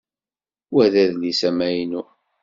Wa d adlis amaynu.